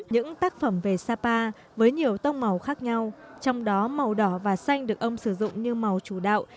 những tác phẩm về sapa với nhiều tông màu khác nhau trong đó màu đỏ và xanh được ông sử dụng như màu chủ đạo